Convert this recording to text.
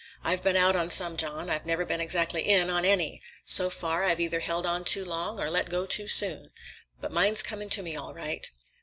"I've been out on some, John. I've never been exactly in on any. So far, I've either held on too long or let go too soon. But mine's coming to me, all right."